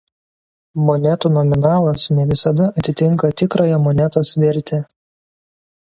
Monetų nominalas ne visada atitinka tikrąją monetos vertę.